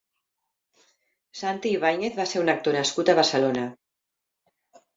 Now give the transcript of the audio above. Santi Ibáñez va ser un actor nascut a Barcelona.